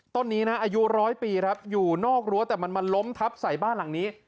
ต้นนี้นะอายุร้อยปีครับอยู่นอกรั้วแต่มันมาล้มทับใส่บ้านหลังนี้